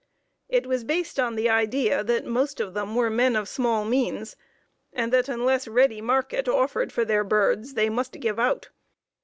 It was based on the idea that most of them were men of small means, and that unless ready market offered for their birds, they must give out.